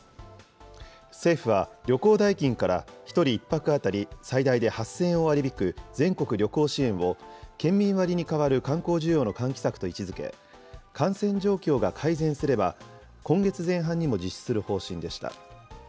政府は、旅行代金から１人１泊当たり最大で８０００円を割り引く全国旅行支援を、県民割に代わる観光需要の喚起策と位置づけ、感染状況が改善すれば、今月前半にも実施する方針でした。